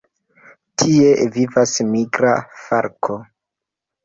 Tie vivas migra falko.